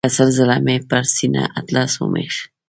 که سل ځله مې پر سینه اطلس ومیښ.